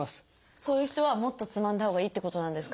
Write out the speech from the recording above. そういう人はもっとつまんだほうがいいってことなんですか？